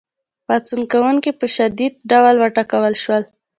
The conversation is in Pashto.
پاڅون کوونکي په شدید ډول وټکول شول.